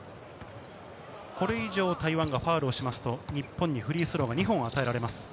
これ以上、台湾がファウルをしますと、日本にフリースローが２本を与えられます。